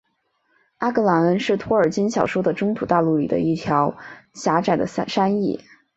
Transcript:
阿格朗恩是托尔金小说的中土大陆里的一道狭窄的山隘。